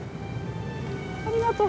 ありがとう。